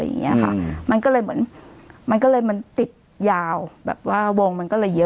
อย่างเงี้ยค่ะมันก็เลยเหมือนมันก็เลยมันติดยาวแบบว่าวงมันก็เลยเยอะ